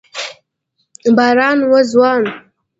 باران و ځوان